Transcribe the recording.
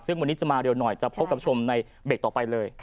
ซึ่งวันนี้จะมาเร็วหน่อยจะพบกับชมในเบรกต่อไปเลย